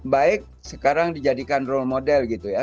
baik sekarang dijadikan role model gitu ya